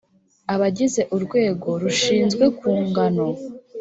abagize urwego rushinzwe kunga no